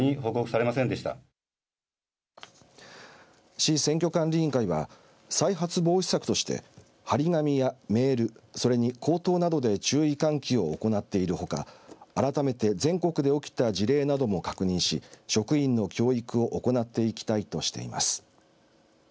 市選挙管理委員会は再発防止策として張り紙やメールそれに口頭などで注意喚起を行っているほか改めて全国で起きた事例なども確認し職員の教育を行っていきたいとしています。